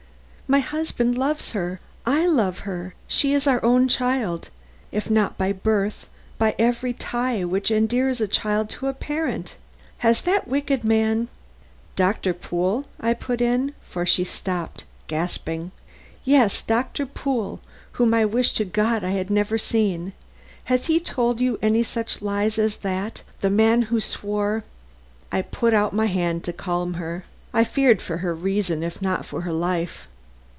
My husband loves her, I love her she is our own child, if not by birth, by every tie which endears a child to a parent. Has that wicked man " "Doctor Pool!" I put in, for she stopped, gasping. "Yes; Doctor Pool, whom I wish to God I had never seen has he told you any such lies as that? the man who swore " I put out my hand to calm her. I feared for her reason if not for her life.